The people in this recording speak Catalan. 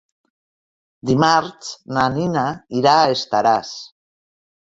Dimarts na Nina irà a Estaràs.